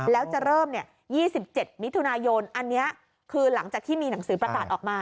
แล้วจะเริ่ม๒๗มิถุนายนอันนี้คือหลังจากที่มีหนังสือประกาศออกมา